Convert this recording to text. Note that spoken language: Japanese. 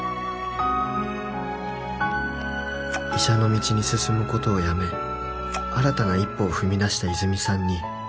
「医者の道に進むことをやめ新たな一歩を踏み出した泉さんに」